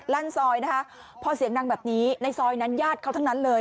ลั่นซอยนะคะพอเสียงดังแบบนี้ในซอยนั้นญาติเขาทั้งนั้นเลย